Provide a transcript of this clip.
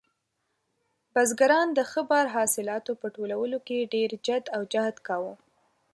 بزګران د ښه بار حاصلاتو په ټولولو کې ډېر جد او جهد کاوه.